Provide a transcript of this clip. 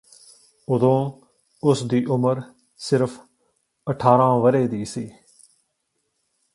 ਉਦੋਂ ਉਸ ਦੀ ਉਮਰ ਸਿਰਫ ਅਠਾਰਾਂ ਵਰੇ ਸੀ